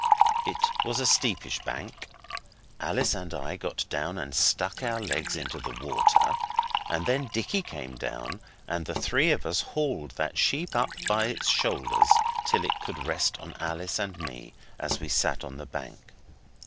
It was a steepish bank. Alice and I got down and stuck our legs into the water, and then Dicky came down, and the three of us hauled that sheep up by its shoulders till it could rest on Alice and me as we sat on the bank.